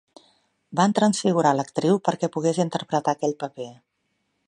Van transfigurar l'actriu perquè pogués interpretar aquell paper.